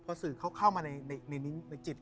พอสื่อเขาเข้ามาในจิต